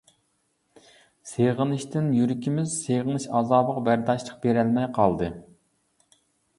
سېغىنىشتىن يۈرىكىمىز سېغىنىش ئازابىغا بەرداشلىق بېرەلمەي قالدى.